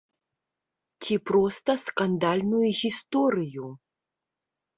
Ці проста скандальную гісторыю.